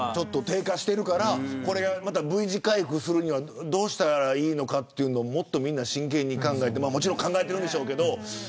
低下しているからこれがＶ字回復するにはどうしたらいいのかみんな真剣に考えてもちろん考えてるでしょうけど。